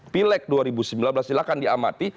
pileg dua ribu sembilan belas silahkan diamati